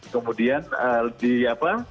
kemudian di apa